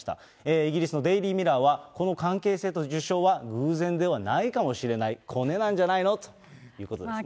イギリスのデイリー・ミラーは、この関係性と受賞は偶然ではないかもしれない、コネなんじゃないの？ということですね。